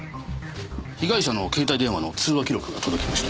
被害者の携帯電話の通話記録が届きました。